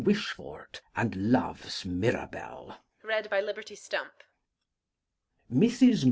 Wishfort, and loves Mirabell, MRS.